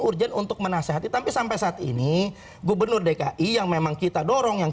urgent untuk menasehati tapi sampai saat ini gubernur dki yang memang kita dorong yang